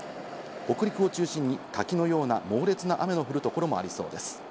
北陸を中心に滝のような猛烈な雨の降る所もありそうです。